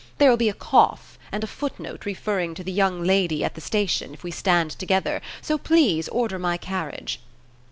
There will be a cough, and a footnote referring to the young lady at the station, if we stand together, so please order my carriage."